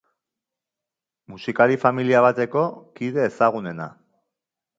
Musikari familia bateko kide ezagunena.